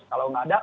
kalau tidak ada